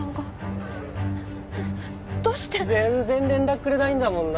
フッどうして全然連絡くれないんだもんな